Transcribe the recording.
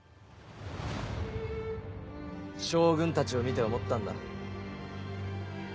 将軍たちを見て思ったんだ。